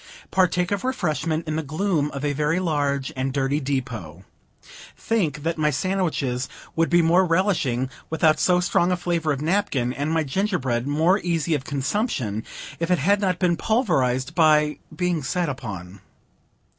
Partake of refreshment, in the gloom of a very large and dirty depot. Think that my sandwiches would be more relishing without so strong a flavor of napkin, and my gingerbread more easy of consumption if it had not been pulverized by being sat upon.